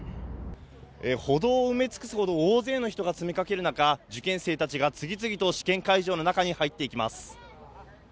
歩道を埋め尽くすほど大勢の人が詰めかける中、受験生たちが次々と試験会場の中に入っていきます。